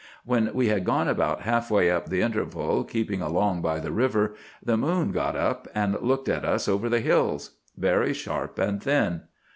When we had gone about half way up the interval, keeping along by the river, the moon got up and looked at us over the hills, very sharp and thin.